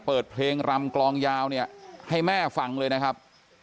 เปิดเพลงรำกลองยาวเนี่ยให้แม่ฟังเลยนะครับ